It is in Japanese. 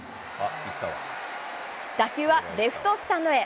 打球はレフトスタンドへ。